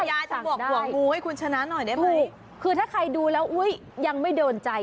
ยายจะบวกหัวงูให้คุณชนะหน่อยได้ไหมคือถ้าใครดูแล้วอุ้ยยังไม่โดนใจ